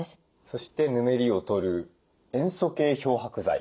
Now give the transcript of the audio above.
そしてヌメリを取る塩素系漂白剤。